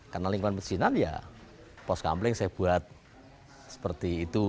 karena lingkungan pejinan ya pos kampleng saya buat seperti itu